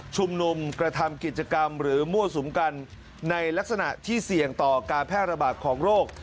ชุมนุมกระทำกิจกรรมหรือมั่วสุมกันในลักษณะที่เสี่ยงต่อการแพร่ระบาดของโรค